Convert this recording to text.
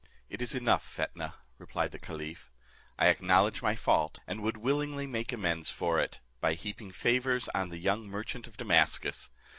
"It is enough, Fetnah," replied the caliph; "I acknowledge my fault, and would willingly make amends for it, by heaping favours on the young merchant of Damascus.